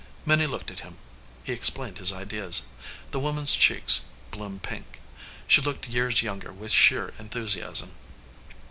Minnie looked at him. He explained his ideas. The woman s cheeks bloomed pink. She looked years younger with sheer enthusiasm.